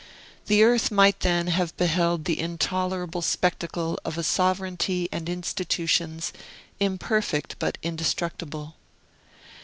The earth might then have beheld the intolerable spectacle of a sovereignty and institutions, imperfect, but indestructible.